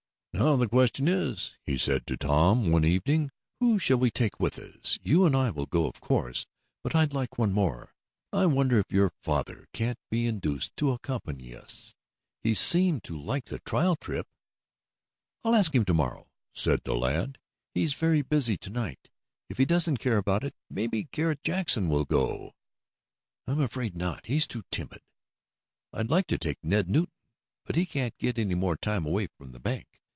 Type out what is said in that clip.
"Now the question is," he said to Tom one evening, "who shall we take with us? You and I will go, of course, but I'd like one more. I wonder if your father can't be induced to accompany us? He seemed to like the trial trip." "I'll ask him to morrow," said the lad. "He's very busy to night. If he doesn't care about it, maybe Garret Jackson will go." "I'm afraid not. He's too timid." "I'd like to take Ned Newton, but he can't get any more time away from the bank.